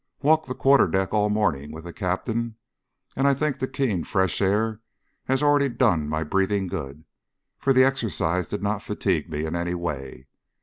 Walked the quarter deck all morning with the Captain, and I think the keen fresh air has already done my breathing good, for the exercise did not fatigue me in any way.